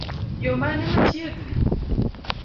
Yoo mane machiegni?